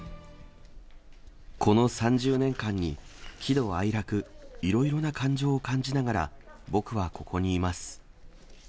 この３０年間に喜怒哀楽、いろいろな感情を感じながら、僕はここにいます。